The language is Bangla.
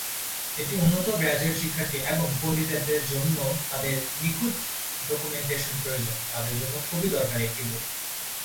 এটি উন্নত গ্র্যাজুয়েট শিক্ষার্থী এবং পণ্ডিতদের জন্য যাদের নিখুঁত ডকুমেন্টেশন প্রয়োজন তাঁদের জন্য খুবই দরকারি একটি বই।